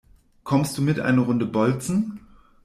Kommst du mit eine Runde bolzen?